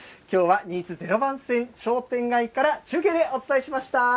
きょうはにいつ０番線商店街から中継でお伝えしました。